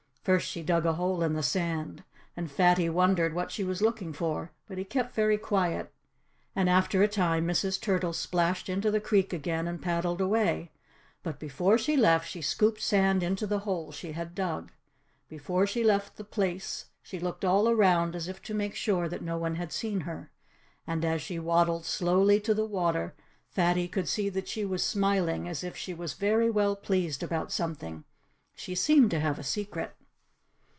First she dug a hole in the sand. And Fatty wondered what she was looking for. But he kept very quiet. And after a time Mrs. Turtle splashed into the creek again and paddled away. But before she left she scooped sand into the hole she had dug. Before she left the place she looked all around, as if to make sure that no one had seen her. And as she waddled slowly to the water Fatty could see that she was smiling as if she was very well pleased about something. She seemed to have a secret.